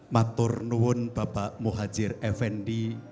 matur nuhun bapak muhajir effendi